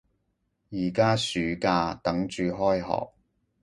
而家暑假，等住開學